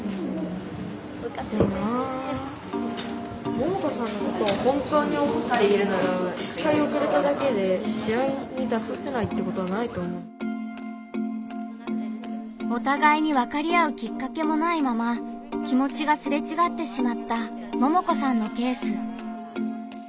ももこさんのケースではお互いに分かり合うきっかけもないまま気持ちがすれちがってしまったももこさんのケース。